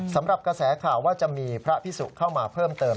สำหรับกระแสข่าวว่าจะมีพระพิสุเข้ามาเพิ่มเติม